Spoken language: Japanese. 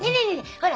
ほら